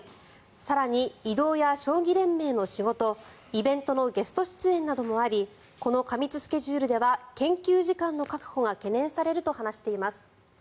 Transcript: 更に移動や将棋連盟の仕事イベントのゲスト出演などもありこの過密スケジュールでは研究時間の確保が懸念されると話しています。